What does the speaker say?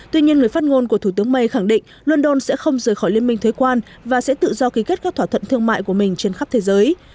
tuy nhiên người phát ngôn của thủ tướng may khẳng định london sẽ không rời khỏi liên minh thuế quan và sẽ tự do ký kết các thỏa thuận thương mại của mình trên khắp thế giới